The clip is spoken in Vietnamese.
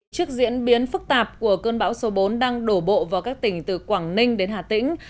trước diễn biến phức tạp của cơn bão số bốn đang đổ bộ vào các tỉnh từ quảng ninh đến hà tĩnh